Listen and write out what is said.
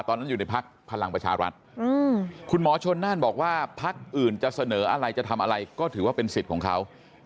ตอนนั้นอยู่ในภักดิ์พลังประชารัฐคุณหมอชนนั่นบอกว่า